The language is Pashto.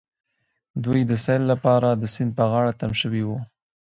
دوی د سيل لپاره د سيند په غاړه تم شوي وو.